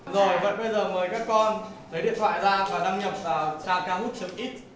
rồi vẫn bây giờ mời các con lấy điện thoại ra và đăng nhập vào trakahoot it